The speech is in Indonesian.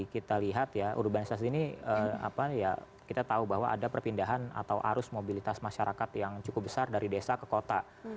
kita lihat ya urbanisasi ini kita tahu bahwa ada perpindahan atau arus mobilitas masyarakat yang cukup besar dari desa ke kota